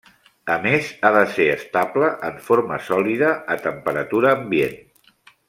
A més ha de ser estable en forma sòlida a temperatura ambient.